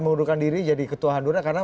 mengundurkan diri jadi ketua handura karena